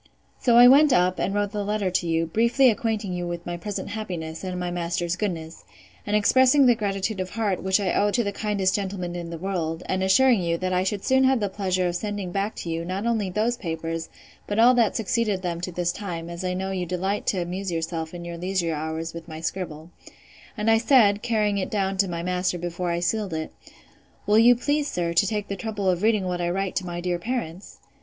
So I went up, and wrote the letter to you, briefly acquainting you with my present happiness, and my master's goodness, and expressing the gratitude of heart, which I owe to the kindest gentleman in the world, and assuring you, that I should soon have the pleasure of sending back to you, not only those papers, but all that succeeded them to this time, as I know you delight to amuse yourself in your leisure hours with my scribble: And I said, carrying it down to my master, before I sealed it, Will you please, sir, to take the trouble of reading what I write to my dear parents?